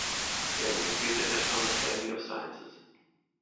Er war Mitglied der National Academy of Sciences.